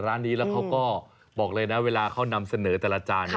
ร้านนี้แล้วเขาก็บอกเลยนะเวลาเขานำเสนอแต่ละจาน